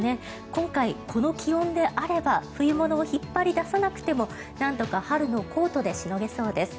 今回、この気温であれば冬物を引っ張り出さなくてもなんとか春のコートでしのげそうです。